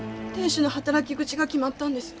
亭主の働き口が決まったんです。